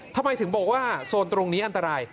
ทำไมถึงบอกว่าโซนตรงนี้อันตราย